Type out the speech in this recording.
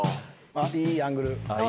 いいアングル！